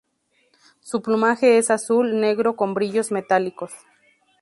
Su plumaje es azul-negro con brillos metálicos.